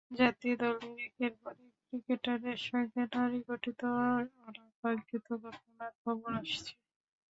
জাতীয় দলের একের পর এক ক্রিকেটারের সঙ্গে নারীঘটিত অনাকাঙ্ক্ষিত ঘটনার খবর আসছে।